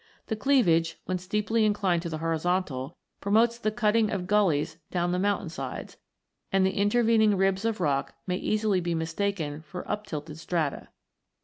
The cleavage, when steeply inclined to the horizontal, promotes the cutting of gullies down the mountain sides, and the intervening ribs of rock may easily be mistaken for uptilted strata.